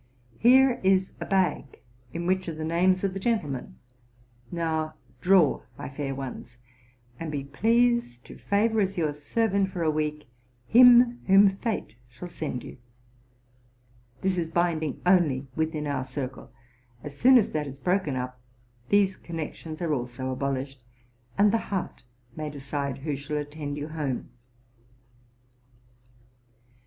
Here is a bag in which are the names of the gentlemen: now draw, my fair ones, and be pleased to favor as your servant, for a week, him whom fate shall send you. This is binding only within our circle ; as soon as that is broken up, these connections are also abolished, and the heart may decide who shall attend you home.